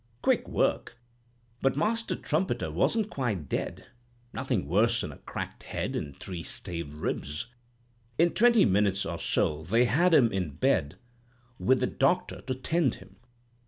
Quick work, but master trumpeter wasn't quite dead; nothing worse than a cracked head and three staved ribs. In twenty minutes or so they had him in bed, with the doctor to tend him.